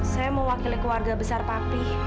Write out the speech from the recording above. saya mewakili keluarga besar papi